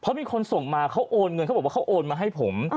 เพราะมีคนส่งมาเขาโอนเงินเขาบอกว่าเขาโอนมาให้ผม